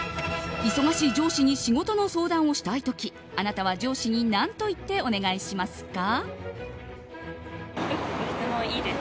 忙しい上司に仕事の相談をしたい時あなたは上司に何と言ってお願いしますか。